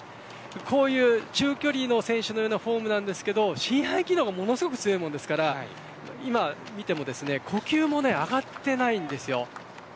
こういう中距離の選手のようなフォームですが心肺機能がものすごく強いですから今見ても呼吸が上がっていないんです。